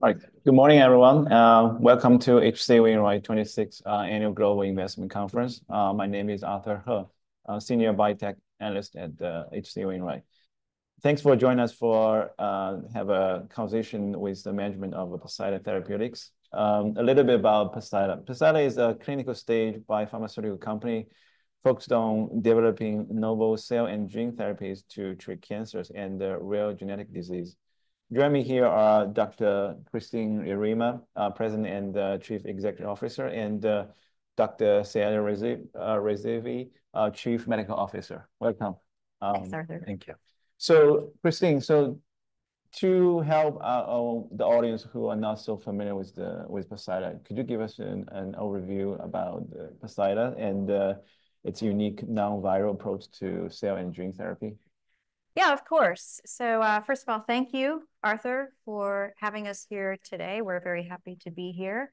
All right. Good morning, everyone. Welcome to H.C. Wainwright 26th Annual Global Investment Conference. My name is Arthur He, a Senior Biotech Analyst at H.C. Wainwright. Thanks for joining us for have a conversation with the management of Poseida Therapeutics. A little bit about Poseida. Poseida is a clinical stage biopharmaceutical company focused on developing novel cell and gene therapies to treat cancers and rare genetic disease. Joining me here are Dr. Kristin Yarema, President and Chief Executive Officer, and Dr. Syed Rizvi, Chief Medical Officer. Welcome. Thanks, Arthur. Thank you. So Kristin, to help the audience who are not so familiar with Poseida, could you give us an overview about Poseida and its unique non-viral approach to cell and gene therapy? Yeah, of course, so first of all, thank you, Arthur, for having us here today. We're very happy to be here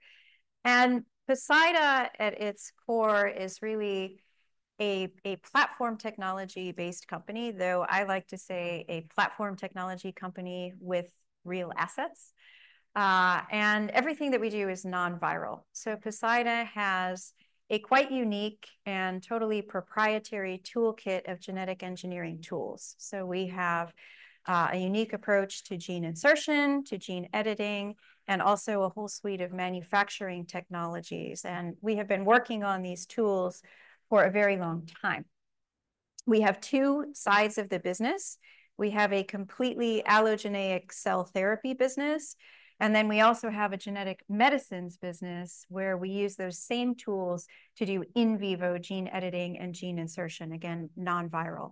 and Poseida, at its core, is really a platform technology-based company, though I like to say a platform technology company with real assets, and everything that we do is non-viral. Poseida has a quite unique and totally proprietary toolkit of genetic engineering tools. We have a unique approach to gene insertion, to gene editing, and also a whole suite of manufacturing technologies, and we have been working on these tools for a very long time. We have two sides of the business. We have a completely allogeneic cell therapy business, and then we also have a genetic medicines business, where we use those same tools to do in vivo gene editing and gene insertion, again, non-viral.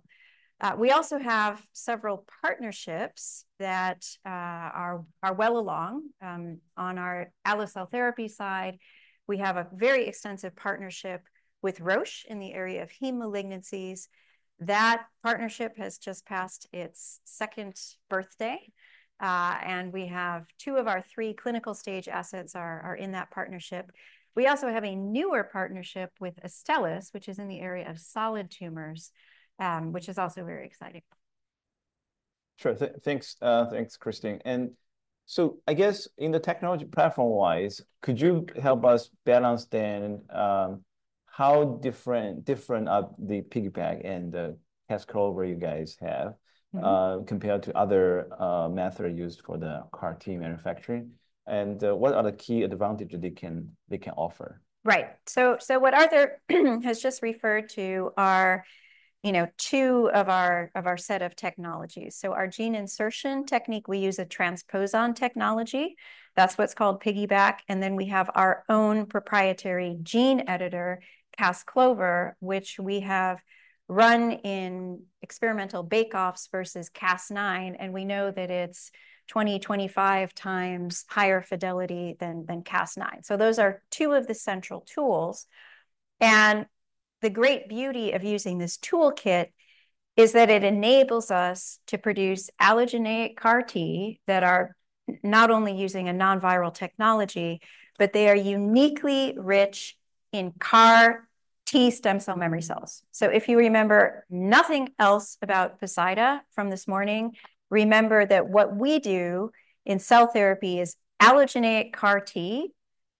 We also have several partnerships that are well along. On our ALLO cell therapy side, we have a very extensive partnership with Roche in the area of heme malignancies. That partnership has just passed its second birthday, and we have two of our three clinical stage assets in that partnership. We also have a newer partnership with Astellas, which is in the area of solid tumors, which is also very exciting. Sure. Thanks, Kristin. So I guess in the technology platform-wise, could you help us better understand how different are the piggyBac and the Cas-CLOVER you guys have. Mm-hmm Compared to other methods used for the CAR-T manufacturing, and what are the key advantages they can offer? Right. So what Arthur has just referred to are, you know, two of our set of technologies. So our gene insertion technique, we use a transposon technology. That's what's called piggyBac, and then we have our own proprietary gene editor, Cas-CLOVER, which we have run in experimental bake-offs versus Cas9, and we know that it's twenty, twenty-five times higher fidelity than Cas9. So those are two of the central tools, and the great beauty of using this toolkit is that it enables us to produce allogeneic CAR-T that are not only using a non-viral technology, but they are uniquely rich in CAR-T stem cell memory cells. So if you remember nothing else about Poseida from this morning, remember that what we do in cell therapy is allogeneic CAR-T,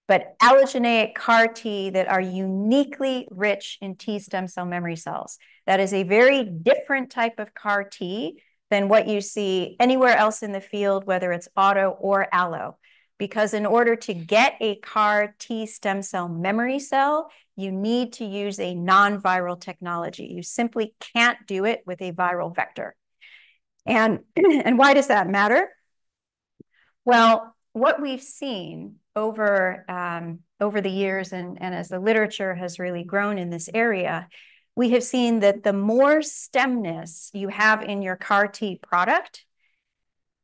but allogeneic CAR-T that are uniquely rich in T stem cell memory cells. That is a very different type of CAR-T than what you see anywhere else in the field, whether it's auto or allo, because in order to get a CAR-T stem cell memory cell, you need to use a non-viral technology. You simply can't do it with a viral vector. And why does that matter? Well, what we've seen over the years and as the literature has really grown in this area, we have seen that the more stemness you have in your CAR-T product,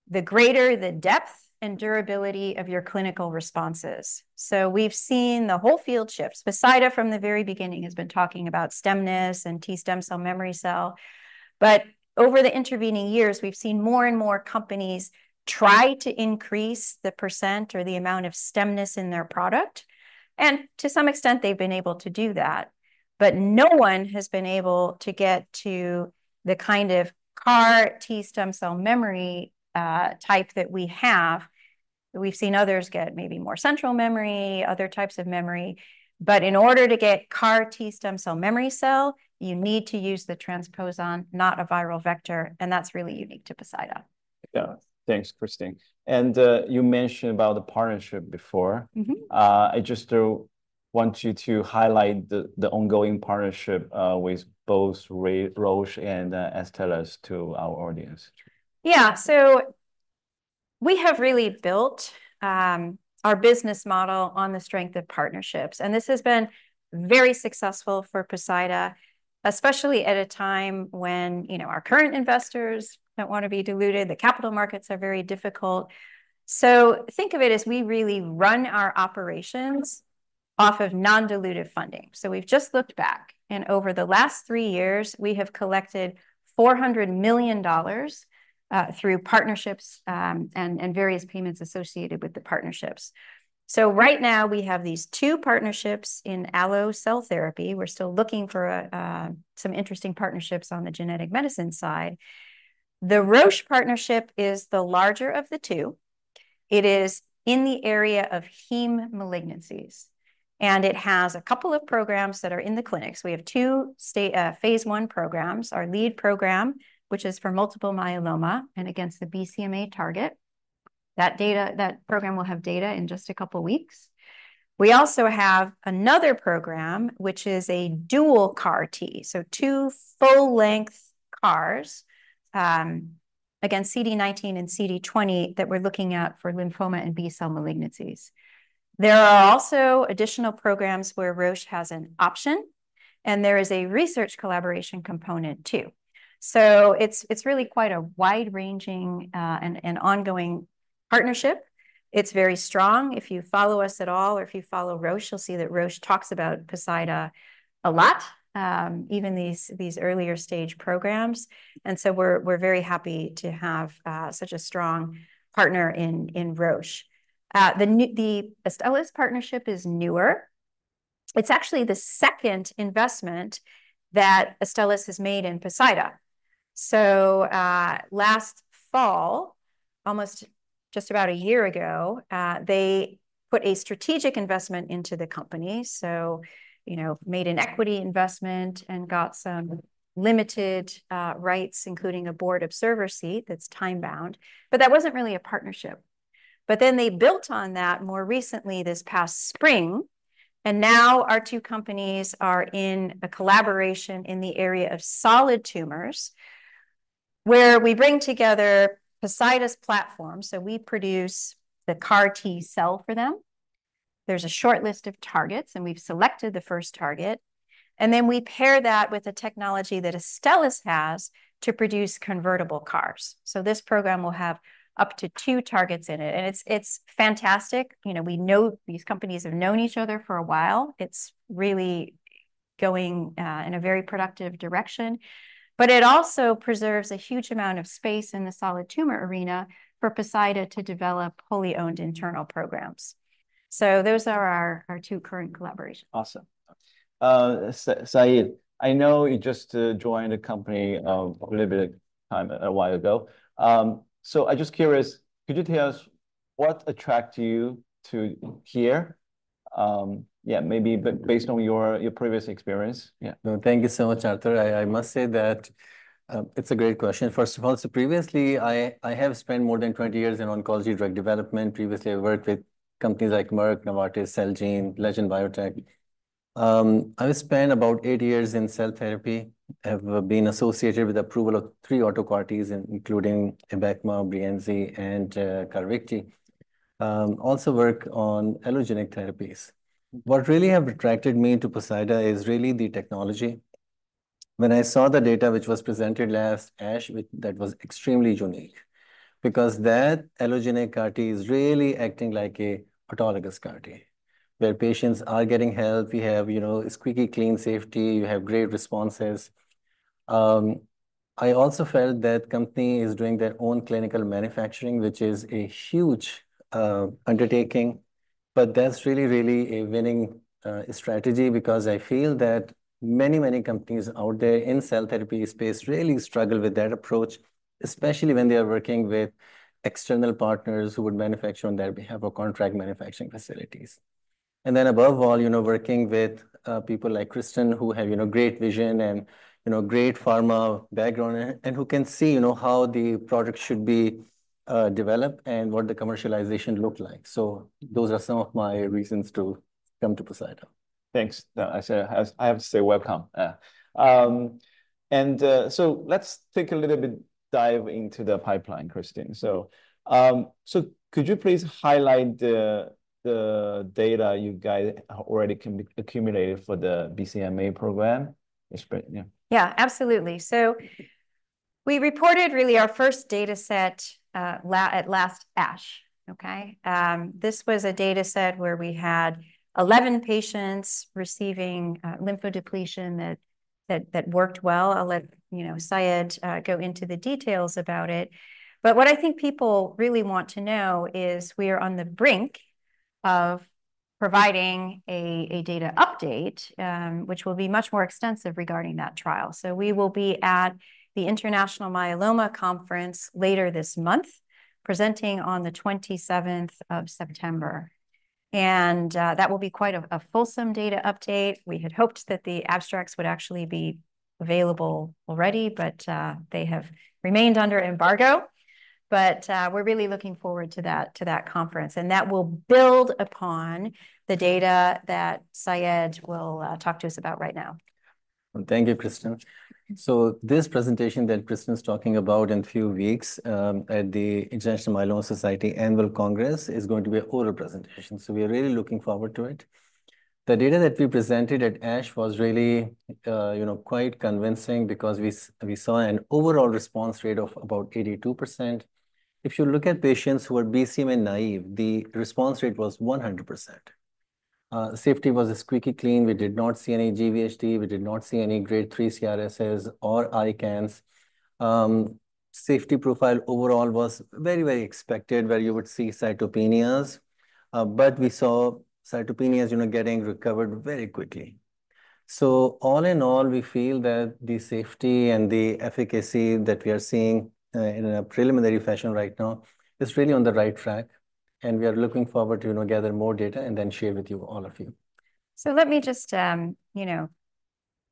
the greater the depth and durability of your clinical responses. So we've seen the whole field shifts. Poseida, from the very beginning, has been talking about stemness and T stem cell memory cell. But over the intervening years, we've seen more and more companies try to increase the percent or the amount of stemness in their product, and to some extent, they've been able to do that. But no one has been able to get to the kind of CAR-T stem cell memory type that we have. We've seen others get maybe more central memory, other types of memory, but in order to get CAR-T stem cell memory cell, you need to use the transposon, not a viral vector, and that's really unique to Poseida. Yeah. Thanks, Kristin. And, you mentioned about the partnership before. Mm-hmm. I just want you to highlight the ongoing partnership with both Roche and Astellas to our audience. Yeah. So we have really built our business model on the strength of partnerships, and this has been very successful for Poseida, especially at a time when, you know, our current investors don't wanna be diluted, the capital markets are very difficult. So think of it as we really run our operations off of non-dilutive funding. So we've just looked back, and over the last three years, we have collected $400 million through partnerships and various payments associated with the partnerships. So right now, we have these two partnerships in ALLO cell therapy. We're still looking for some interesting partnerships on the genetic medicine side. The Roche partnership is the larger of the two. It is in the area of heme malignancies, and it has a couple of programs that are in the clinics. We have two state-of-the-art phase I programs, our lead program, which is for multiple myeloma and against the BCMA target. That data, that program will have data in just a couple weeks. We also have another program, which is a dual CAR-T, so two full-length CARs against CD19 and CD20 that we're looking at for lymphoma and B-cell malignancies. There are also additional programs where Roche has an option, and there is a research collaboration component, too, so it's really quite a wide-ranging and ongoing partnership. It's very strong. If you follow us at all or if you follow Roche, you'll see that Roche talks about Poseida a lot, even these earlier stage programs, and so we're very happy to have such a strong partner in Roche. The Astellas partnership is newer. It's actually the second investment that Astellas has made in Poseida. So, last fall, almost just about a year ago, they put a strategic investment into the company, so, you know, made an equity investment and got some limited rights, including a board observer seat that's time-bound, but that wasn't really a partnership. But then they built on that more recently, this past spring, and now our two companies are in a collaboration in the area of solid tumors, where we bring together Poseida's platform, so we produce the CAR-T cell for them. There's a short list of targets, and we've selected the first target, and then we pair that with the technology that Astellas has to produce convertible CARs. So this program will have up to two targets in it, and it's fantastic. You know, we know these companies have known each other for a while. It's really going in a very productive direction, but it also preserves a huge amount of space in the solid tumor arena for Poseida to develop wholly owned internal programs. So those are our two current collaborations. Awesome. Syed, I know you just joined the company little bit of time, a while ago. So I'm just curious, could you tell us what attract you to here, yeah, maybe based on your previous experience? Yeah. Thank you so much, Arthur. I must say that it's a great question, first of all. So previously, I have spent more than 20 years in oncology drug development. Previously, I worked with companies like Merck, Novartis, Celgene, Legend Biotech. I've spent about eight years in cell therapy, have been associated with approval of three auto CAR-Ts, including Abecma, Breyanzi, and Carvykti, also work on allogeneic therapies. What really have attracted me to Poseida is really the technology. When I saw the data, which was presented last ASH, that was extremely unique, because that allogeneic CAR-T is really acting like a autologous CAR-T, where patients are getting help. We have, you know, squeaky clean safety. You have great responses. I also felt that company is doing their own clinical manufacturing, which is a huge undertaking, but that's really, really a winning strategy, because I feel that many, many companies out there in cell therapy space really struggle with that approach, especially when they are working with external partners who would manufacture on their behalf or contract manufacturing facilities. And then above all, you know, working with people like Kristin, who have, you know, great vision and, you know, great pharma background, and who can see, you know, how the product should be developed and what the commercialization look like. So those are some of my reasons to come to Poseida. Thanks. No, I say, I have to say welcome. So let's take a little bit dive into the pipeline, Kristin. So could you please highlight the data you guys already accumulated for the BCMA program? It's great, yeah. Yeah, absolutely. So we reported really our first dataset at last ASH, okay? This was a dataset where we had 11 patients receiving lymphodepletion that worked well. I'll let you know, Syed, go into the details about it, but what I think people really want to know is we are on the brink of providing a data update, which will be much more extensive regarding that trial. So we will be at the International Myeloma Conference later this month, presenting on the 27th of September, and that will be quite a fulsome data update. We had hoped that the abstracts would actually be available already, but they have remained under embargo. But, we're really looking forward to that, to that conference, and that will build upon the data that Syed will talk to us about right now. Thank you, Kristin. So this presentation that Kristin is talking about in a few weeks at the International Myeloma Society Annual Congress is going to be an oral presentation, so we are really looking forward to it. The data that we presented at ASH was really you know quite convincing, because we saw an overall response rate of about 82%. If you look at patients who are BCMA naive, the response rate was 100%. Safety was squeaky clean. We did not see any GvHD. We did not see any Grade 3 CRS or ICANS. Safety profile overall was very, very expected, where you would see cytopenias, but we saw cytopenias you know getting recovered very quickly. So all in all, we feel that the safety and the efficacy that we are seeing in a preliminary fashion right now is really on the right track, and we are looking forward to, you know, gather more data and then share with you, all of you. So let me just, you know,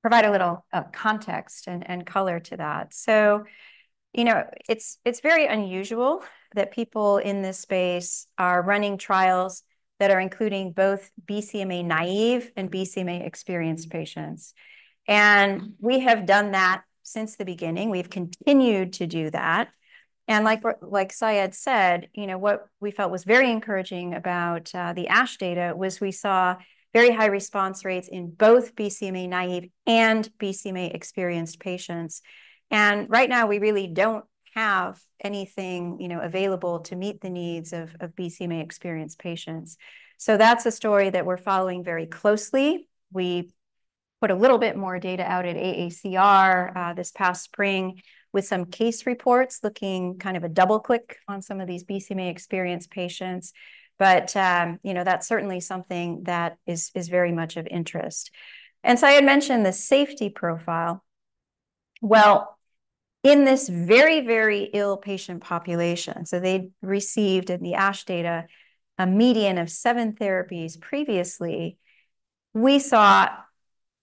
provide a little context and color to that. So, you know, it's very unusual that people in this space are running trials that are including both BCMA-naïve and BCMA-experienced patients. And we have done that since the beginning. We've continued to do that, and like Syed said, you know, what we felt was very encouraging about the ASH data was we saw very high response rates in both BCMA-naïve and BCMA-experienced patients. And right now, we really don't have anything, you know, available to meet the needs of BCMA-experienced patients. So that's a story that we're following very closely. We put a little bit more data out at AACR this past spring, with some case reports looking kind of a double-click on some of these BCMA-experienced patients. But you know, that's certainly something that is very much of interest. And Syed mentioned the safety profile. Well, in this very, very ill patient population, so they received in the ASH data a median of seven therapies previously, we saw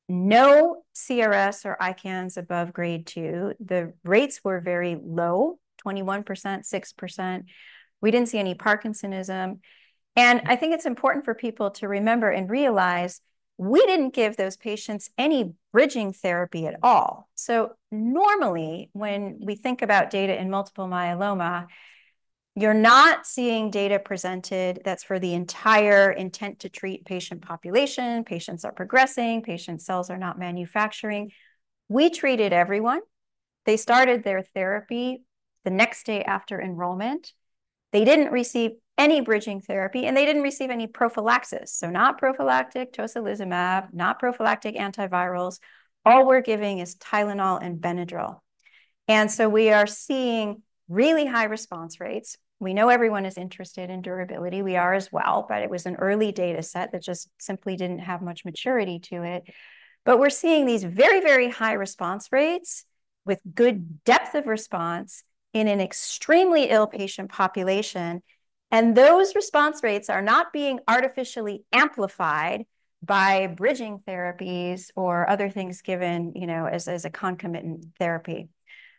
no CRS or ICANS above Grade 2. The rates were very low, 21%, 6%. We didn't see any parkinsonism, and I think it's important for people to remember and realize we didn't give those patients any bridging therapy at all. So normally, when we think about data in multiple myeloma, you're not seeing data presented that's for the entire intent to treat patient population, patients are progressing, patient cells are not manufacturing. We treated everyone. They started their therapy the next day after enrollment. They didn't receive any bridging therapy, and they didn't receive any prophylaxis, so not prophylactic tocilizumab, not prophylactic antivirals. All we're giving is Tylenol and Benadryl. And so we are seeing really high response rates. We know everyone is interested in durability. We are as well, but it was an early data set that just simply didn't have much maturity to it. But we're seeing these very, very high response rates with good depth of response in an extremely ill patient population, and those response rates are not being artificially amplified by bridging therapies or other things given, you know, as a concomitant therapy.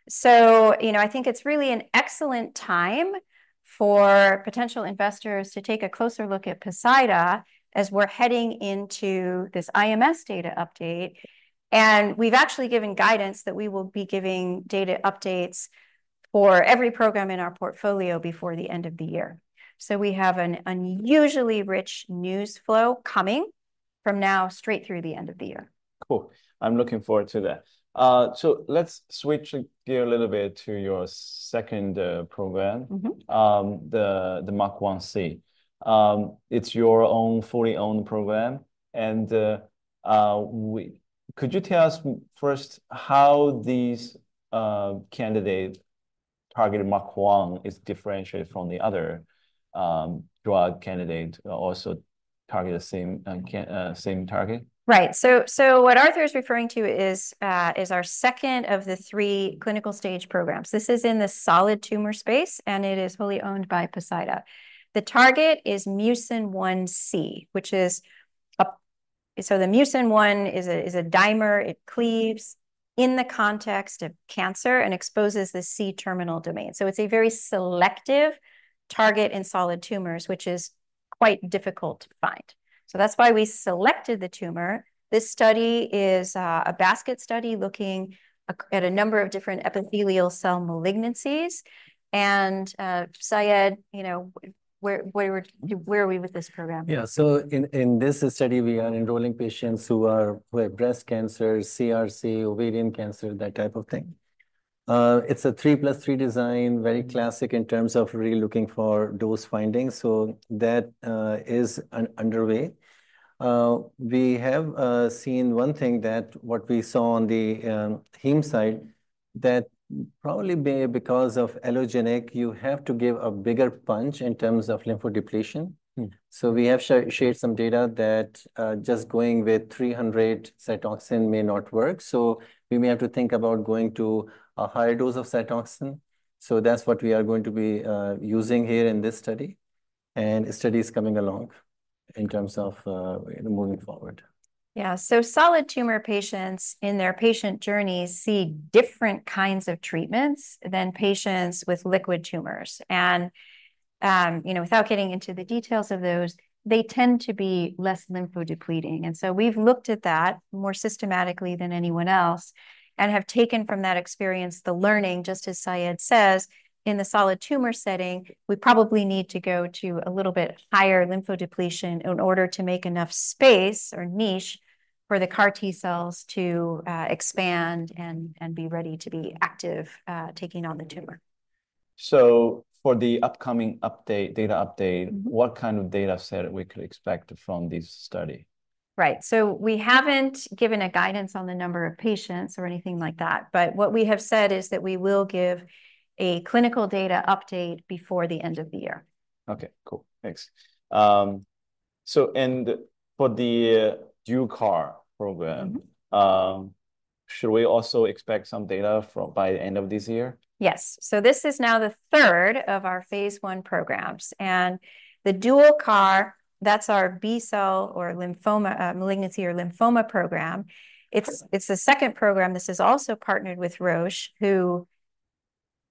So, you know, I think it's really an excellent time for potential investors to take a closer look at Poseida as we're heading into this IMS data update, and we've actually given guidance that we will be giving data updates for every program in our portfolio before the end of the year. So we have an unusually rich news flow coming from now straight through the end of the year. Cool. I'm looking forward to that, so let's switch gear a little bit to your second program the MUC1-C. It's your own, fully owned program. Could you tell us first how these candidate targeted MUC1-C is differentiated from the other drug candidate also target the same target? Right. So what Arthur is referring to is our second of the three clinical stage programs. This is in the solid tumor space, and it is wholly owned by Poseida. The target is MUC1-C, which is a. So the MUC1 is a dimer. It cleaves in the context of cancer and exposes the C-terminal domain. So it's a very selective target in solid tumors, which is quite difficult to find, so that's why we selected the tumor. This study is a basket study looking at a number of different epithelial cell malignancies. And, Syed, you know, where are we with this program? Yeah. So in this study, we are enrolling patients who are with breast cancer, CRC, ovarian cancer, that type of thing. It's a three plus three design, very classic in terms of really looking for those findings, so that is underway. We have seen one thing that what we saw on the heme side, that probably because of allogeneic, you have to give a bigger punch in terms of lymphodepletion. Mm. So we have shared some data that just going with 300 Cytoxan may not work, so we may have to think about going to a higher dose of Cytoxan. So that's what we are going to be using here in this study, and study is coming along in terms of moving forward. Yeah. Solid tumor patients in their patient journeys see different kinds of treatments than patients with liquid tumors. And, you know, without getting into the details of those, they tend to be less lymphodepleting. And so we've looked at that more systematically than anyone else and have taken from that experience the learning, just as Syed says, in the solid tumor setting, we probably need to go to a little bit higher lymphodepletion in order to make enough space or niche for the CAR-T cells to expand and be ready to be active, taking on the tumor. So, for the upcoming update, data update. Mm-hmm. What kind of data set we could expect from this study? Right. So we haven't given a guidance on the number of patients or anything like that, but what we have said is that we will give a clinical data update before the end of the year. Okay, cool. Thanks. So and for the dual CAR program, should we also expect some data by the end of this year? Yes. So this is now the third of our phase I programs, and the dual CAR, that's our B-cell or lymphoma, malignancy or lymphoma program. It's the second program. This is also partnered with Roche, who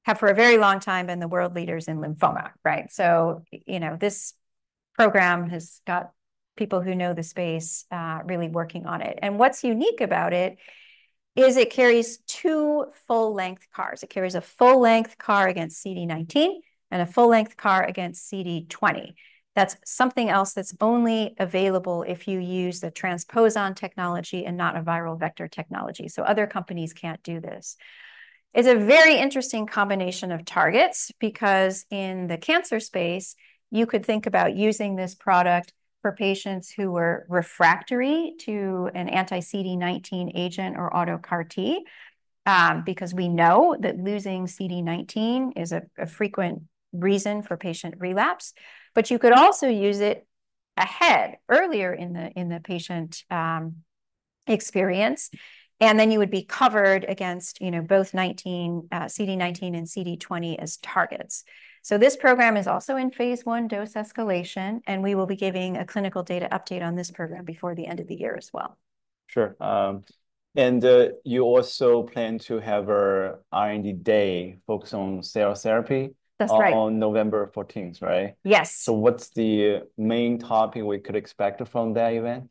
have for a very long time been the world leaders in lymphoma, right? So, you know, this program has got people who know the space, really working on it. And what's unique about it is it carries two full-length CARs. It carries a full-length CAR against CD19 and a full-length CAR against CD20. That's something else that's only available if you use the transposon technology and not a viral vector technology, so other companies can't do this. It's a very interesting combination of targets because in the cancer space, you could think about using this product for patients who were refractory to an anti-CD19 agent or auto CAR-T, because we know that losing CD19 is a frequent reason for patient relapse. But you could also use it ahead, earlier in the patient experience, and then you would be covered against, you know, both CD19 and CD20 as targets. So this program is also in phase I dose escalation, and we will be giving a clinical data update on this program before the end of the year as well. Sure. And, you also plan to have a R&D day focused on cell therapy? That's right. On November 14th, right? Yes. So what's the main topic we could expect from that event?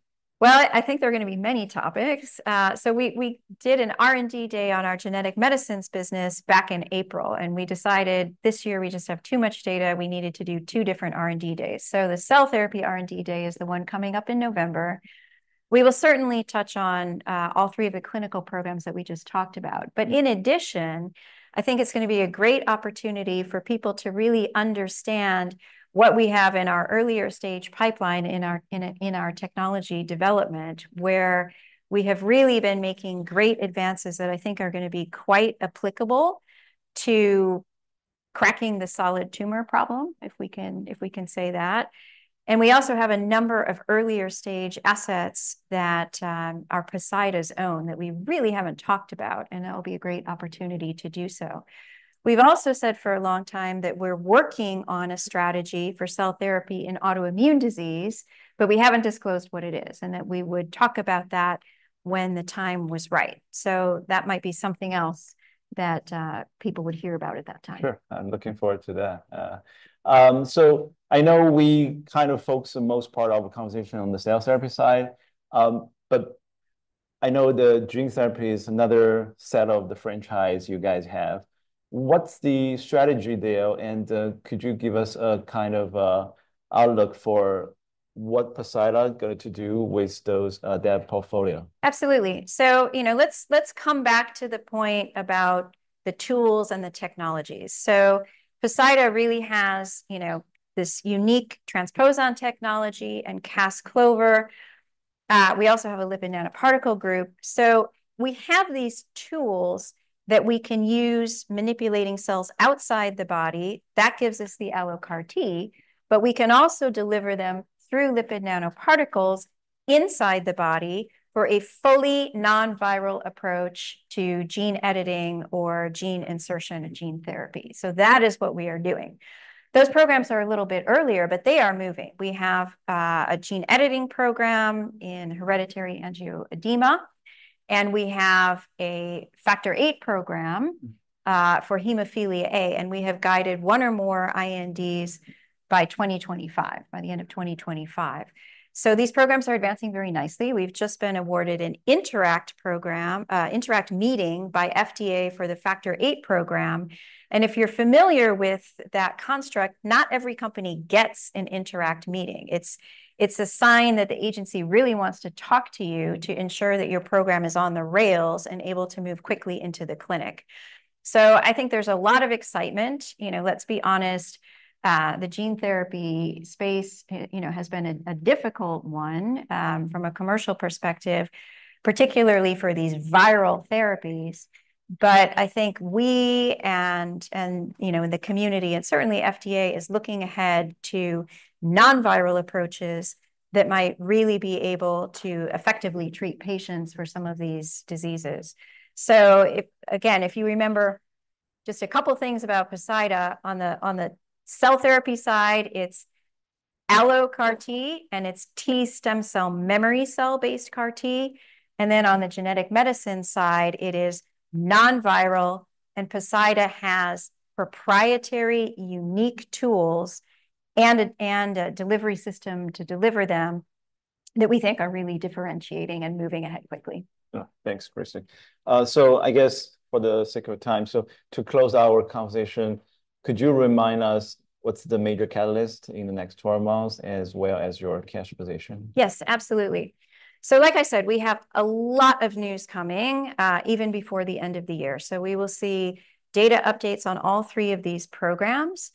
I think there are going to be many topics. We did an R&D day on our genetic medicines business back in April, and we decided this year we just have too much data. We needed to do two different R&D days. The cell therapy R&D day is the one coming up in November. We will certainly touch on all three of the clinical programs that we just talked about. But in addition, I think it's gonna be a great opportunity for people to really understand what we have in our earlier stage pipeline in our technology development, where we have really been making great advances that I think are gonna be quite applicable to cracking the solid tumor problem, if we can say that. And we also have a number of earlier stage assets that are Poseida's own, that we really haven't talked about, and that will be a great opportunity to do so. We've also said for a long time that we're working on a strategy for cell therapy in autoimmune disease, but we haven't disclosed what it is, and that we would talk about that when the time was right. So that might be something else that people would hear about at that time. Sure. I'm looking forward to that. So I know we kind of focused the most part of the conversation on the cell therapy side, but I know the gene therapy is another set of the franchise you guys have. What's the strategy there, and could you give us a kind of outlook for what Poseida is going to do with those, that portfolio? Absolutely. So, you know, let's come back to the point about the tools and the technologies. So Poseida really has, you know, this unique transposon technology and Cas-CLOVER. We also have a lipid nanoparticle group. So we have these tools that we can use, manipulating cells outside the body. That gives us the allo CAR-T, but we can also deliver them through lipid nanoparticles inside the body for a fully non-viral approach to gene editing or gene insertion and gene therapy. So that is what we are doing. Those programs are a little bit earlier, but they are moving. We have a gene-editing program in hereditary angioedema, and we have a Factor VIII program for hemophilia A, and we have guided one or more INDs by 2025, by the end of 2025. So these programs are advancing very nicely. We've just been awarded an INTERACT program, INTERACT meeting by FDA for the factor VIII program. And if you're familiar with that construct, not every company gets an INTERACT meeting. It's a sign that the agency really wants to talk to you to ensure that your program is on the rails and able to move quickly into the clinic. So I think there's a lot of excitement. You know, let's be honest, the gene therapy space, you know, has been a difficult one, from a commercial perspective, particularly for these viral therapies. But I think we, and you know, in the community, and certainly FDA is looking ahead to non-viral approaches that might really be able to effectively treat patients for some of these diseases. So. Again, if you remember just a couple things about Poseida on the cell therapy side, it's allo CAR-T, and it's T stem cell memory cell-based CAR-T, and then on the genetic medicine side, it is non-viral, and Poseida has proprietary, unique tools and a delivery system to deliver them, that we think are really differentiating and moving ahead quickly. Yeah. Thanks, Kristin. So I guess for the sake of time, so to close our conversation, could you remind us what's the major catalyst in the next twelve months, as well as your cash position? Yes, absolutely. So like I said, we have a lot of news coming, even before the end of the year, so we will see data updates on all three of these programs.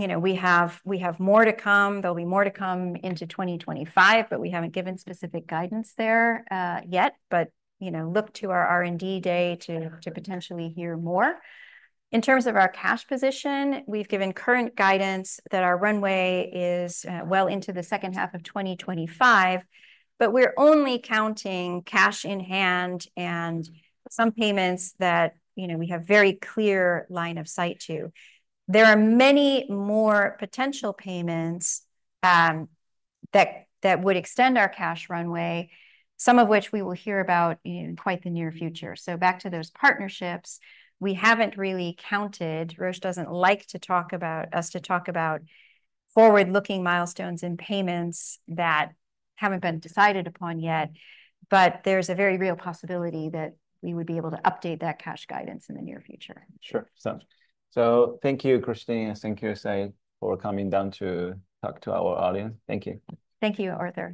You know, we have more to come. There'll be more to come into 2025, but we haven't given specific guidance there, yet. But, you know, look to our R&D day to potentially hear more. In terms of our cash position, we've given current guidance that our runway is, well into the second half of 2025, but we're only counting cash in hand and some payments that, you know, we have very clear line of sight to. There are many more potential payments that would extend our cash runway, some of which we will hear about in quite the near future. So back to those partnerships, we haven't really counted... Roche doesn't like to talk about forward-looking milestones and payments that haven't been decided upon yet, but there's a very real possibility that we would be able to update that cash guidance in the near future. Sure. So, thank you, Kristin, and thank you, Poseida, for coming down to talk to our audience. Thank you. Thank you, Arthur.